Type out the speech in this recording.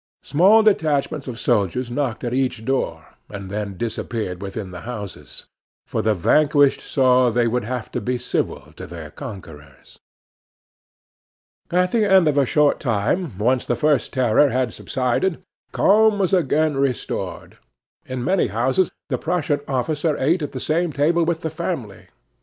Small detachments of soldiers knocked at each door, and then disappeared within the houses; for the vanquished saw they would have to be civil to their conquerors. At the end of a short time, once the first terror had subsided, calm was again restored. In many houses the Prussian officer ate at the same table with the family.